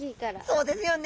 そうですよね。